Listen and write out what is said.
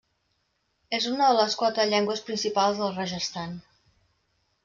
És una de les quatre llengües principals del Rajasthan.